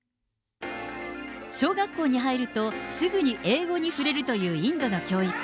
小学校に入ると、すぐに英語に触れるというインドの教育。